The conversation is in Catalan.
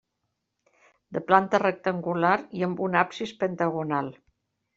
De planta rectangular, i amb un absis pentagonal.